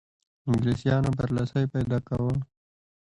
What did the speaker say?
انګلیسیانو برلاسی پیدا کاوه.